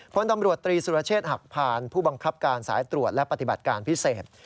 พลตำรวจตรีสุรเชษฐ์หักพานผู้บังคับการสายตรวจและปฏิบัติการพิเศษ